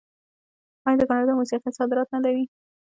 آیا د کاناډا موسیقي صادرات نلري؟